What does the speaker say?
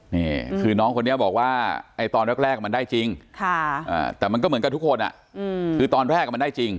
นี่คือน้องคนนี้บอกว่าตอนแรกมันได้จริงแต่มันก็เหมือนกับทุกคนคือตอนแรกมันได้จริง